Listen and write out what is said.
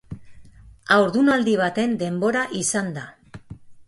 Haurdunaldi baten denbora izan da.